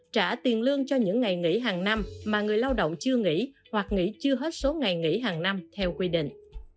trả tiền lương cho những ngày nghỉ hàng năm mà người lao động chưa nghỉ hoặc nghỉ chưa hết số ngày nghỉ hàng năm theo quy định